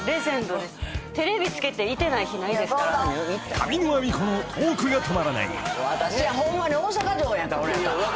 ［上沼恵美子のトークが止まらない］